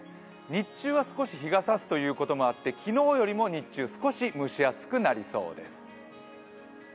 日中は少し日がさすということもありまして、昨日より少し蒸し暑くなりそうです。